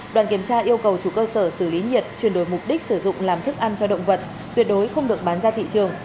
đoàn kiểm tra yêu cầu chủ cơ sở xử lý nhiệt chuyển đổi mục đích sử dụng làm thức ăn cho động vật tuyệt đối không được bán ra thị trường